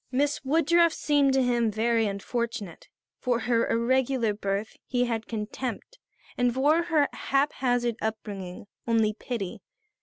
Miss Woodruff seemed to him very unfortunate. For her irregular birth he had contempt and for her haphazard upbringing only pity.